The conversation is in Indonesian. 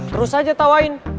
terus aja tawain